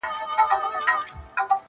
نه یم په مالت کي اشیانې راپسي مه ګوره -